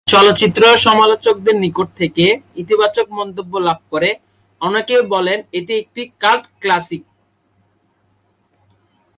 চলচ্চিত্র সমালোচকদের নিকট থেকে ইতিবাচক মন্তব্য লাভ করে, অনেকেই বলেন এটি একটি কাল্ট ক্লাসিক।